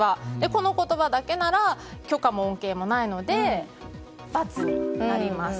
この言葉だけなら許可も恩恵もないのでバツになります。